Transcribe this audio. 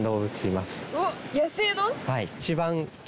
はい。